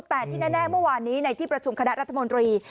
แต่ที่แน่เมื่อวานนี้ในที่ประชุมคณะรัฐมนตรี